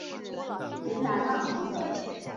云南浪穹人。